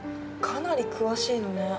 かなり詳しいのね。